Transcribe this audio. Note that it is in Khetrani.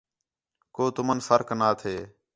کُو تُمن فرق نا تھے